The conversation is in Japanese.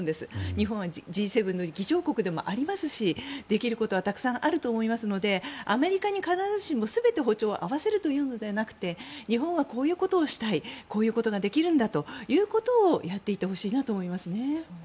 日本はＧ７の議長国でもありますしできることはたくさんあると思いますのでアメリカに必ずしも全て歩調を合わせるというのではなくて日本はこういうことをしたいこういうことができるんだということをやっていってほしいなと思いますね。